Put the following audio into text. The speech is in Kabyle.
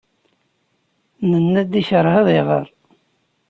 Nnan-d yekṛeh ad iɣer.